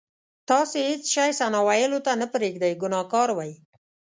تاسې هېڅ شی ثنا ویلو ته نه پرېږدئ ګناهګار وئ.